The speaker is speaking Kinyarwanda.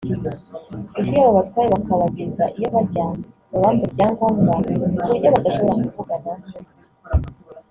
kuko iyo babatwaye bakabageza iyo bajya babambura ibyangombwa ku buryo badashobora kuvugana n’ubonetse